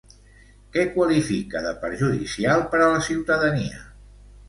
Què qualifica de perjudicial per a la ciutadania?